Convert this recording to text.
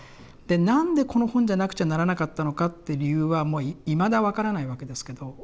で何でこの本じゃなくちゃならなかったのかって理由はいまだ分からないわけですけど。